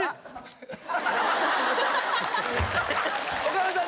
岡村さん